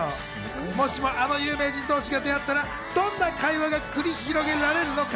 もしもあの有名人同士が出会ったらどんな会話が繰り広げられるのか？